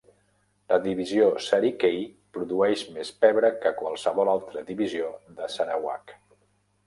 La divisió Sarikei produeix més pebre que qualsevol altra divisió de Sarawak.